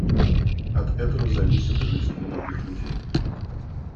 От этого зависит жизнь многих людей.